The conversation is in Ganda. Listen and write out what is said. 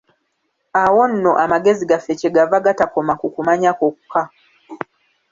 Awo nno amagezi gaffe kye gava gatakoma ku kumanya kwokka.